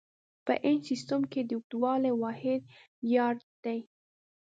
په انچ سیسټم کې د اوږدوالي واحد یارډ دی.